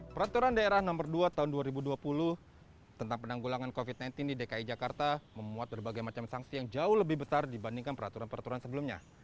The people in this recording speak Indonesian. peraturan daerah nomor dua tahun dua ribu dua puluh tentang penanggulangan covid sembilan belas di dki jakarta memuat berbagai macam sanksi yang jauh lebih besar dibandingkan peraturan peraturan sebelumnya